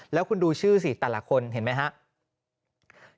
แล้วคุณดูชื่อสิแต่ละคนเห็นไหมครับ